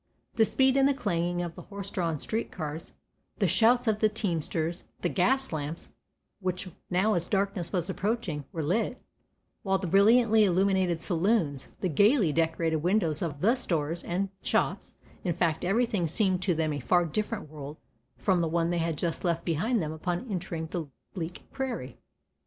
The speed and the clanging of the horse drawn street cars, the shouts of the teamsters, the gas lamps, which now as darkness was approaching were lit, while the brilliantly illuminated saloons, the gayly decorated windows of the stores and shops, in fact everything seemed to them a far different world from the one they had just left behind them upon the bleak prairie.